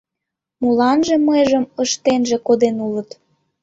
Моланже мыйжым ыштенже коден улыт?